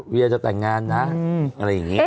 เวียจะต่างงานนะอะไรแบบนี้